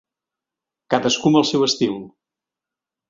Cadascú amb el seu estil.